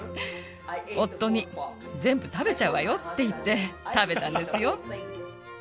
夫に、全部食べちゃうわよって言って、食べたんですよ。